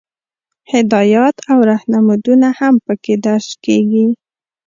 هدایات او رهنمودونه هم پکې درج کیږي.